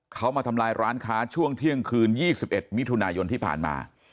เขามาทำลายร้านค้าช่วงเที่ยงคืน๒๑มิถุนายนที่ผ่านมา